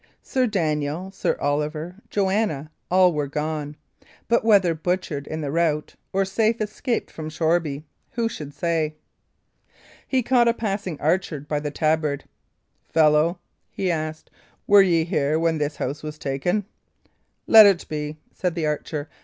Sir Daniel, Sir Oliver, Joanna, all were gone; but whether butchered in the rout or safe escaped from Shoreby, who should say? He caught a passing archer by the tabard. "Fellow," he asked, "were ye here when this house was taken?" "Let be," said the archer.